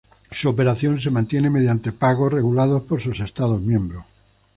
Su operación se mantiene mediante pagos regulados por sus Estados miembros.